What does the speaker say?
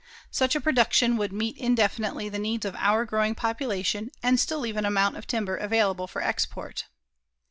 Such a production would meet indefinitely the needs of our growing population, and still leave an amount of timber available for export.